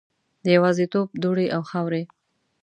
د یوازیتوب دوړې او خاورې